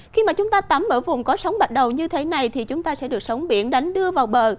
khi mà chúng ta tắm ở vùng có sóng bạch đầu như thế này thì chúng ta sẽ được sóng biển đánh đưa vào bờ